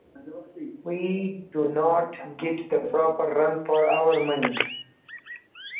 We do not get the proper run for our money.